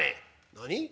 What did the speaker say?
「何？